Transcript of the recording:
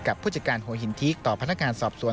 ผู้จัดการหัวหินทีกต่อพนักงานสอบสวน